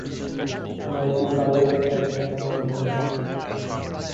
Multicolored and anonymous.